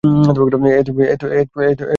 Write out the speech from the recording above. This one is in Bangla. এ তুমি সত্য বলছ?